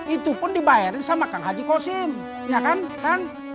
itu pun dibayarin sama kang haji kosim ya kan